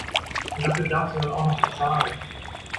Und dafür darfst du dann auch noch bezahlen!